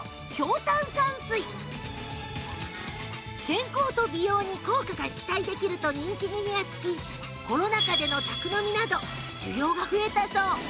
健康と美容に効果が期待できると人気に火がつきコロナ禍での宅飲みなど需要が増えたそう